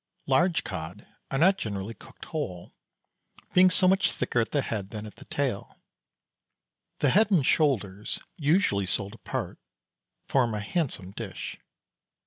Large cod are not generally cooked whole, being so much thicker at the head than at the tail. The head and shoulders, usually sold apart, form a handsome dish.